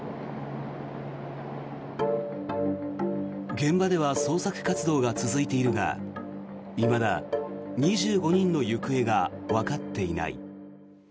現場では捜索活動が続いているがいまだ２５人の行方がわかっていない。